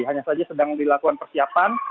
hanya saja sedang dilakukan persiapan